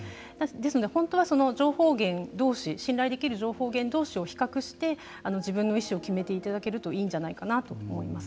ですので、本当は情報源どうし信頼できる情報源どうしを比較して自分の意思を決めていただければいいんじゃないかと思います。